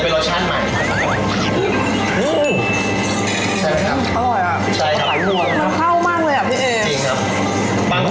มันจะเป็นรสชาติใหม่นะครับ